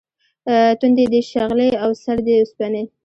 تُندې دي شغلې او سرې دي اوسپنې